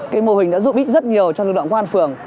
cái mô hình đã giúp ích rất nhiều cho lực lượng công an phường